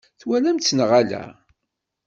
Twalamt-tt neɣ ala?